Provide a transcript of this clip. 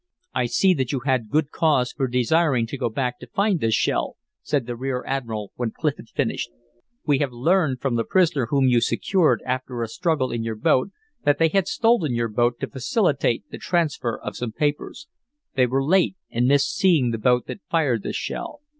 "I see that you had good cause for desiring to go back to find this shell," said the rear admiral when Clif had finished. "We have learned from the prisoner whom you secured after a struggle in your boat, that they had stolen your boat to facilitate the transfer of some papers. They were late and missed seeing the boat that fired this shell.